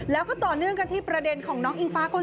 แล้วก็ต่อเนื่องกันที่ประเด็นของน้องอิงฟ้าคน